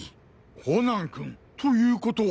コナン君ということは！？